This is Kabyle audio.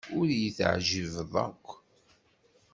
Ur iyi-teɛjibeḍ akk.